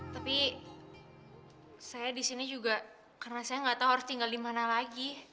tapi saya di sini juga karena saya gak tahu harus tinggal dimana lagi